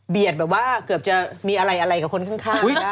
แบบว่าเกือบจะมีอะไรกับคนข้าง